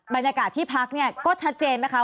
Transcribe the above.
บรรยากาศที่พักเนี่ยก็ชัดเจนไหมคะ